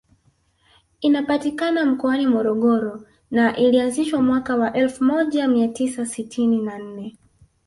Inapatikana mkoani Morogoro na ilianzishwa mwaka wa elfu moja mia tisa sitini na nne